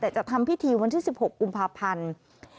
แต่จะทำพิธีวันที่๑๖กุมภาพันธ์